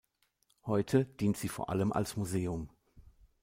Heute dient sie vor allem als Museum.